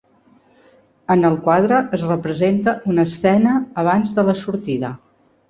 En el quadre es representa una escena abans de la sortida.